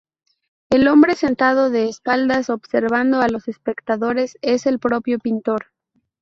El hombre sentado de espaldas observando a los espectadores es el propio pintor.